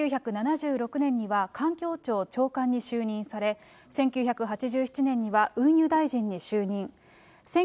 １９７６年には環境庁長官に就任され、１９８７ねんには運輸大臣に就任。